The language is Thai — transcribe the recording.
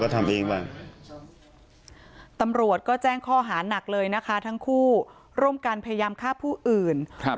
ตำรวจก็แจ้งข้อหานักเลยนะคะทั้งคู่ร่วมกันพยายามฆ่าผู้อื่นครับ